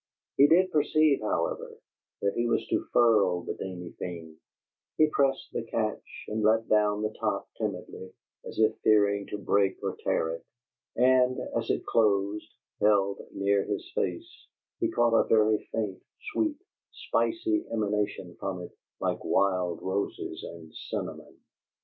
He did perceive, however, that he was to furl the dainty thing; he pressed the catch, and let down the top timidly, as if fearing to break or tear it; and, as it closed, held near his face, he caught a very faint, sweet, spicy emanation from it like wild roses and cinnamon.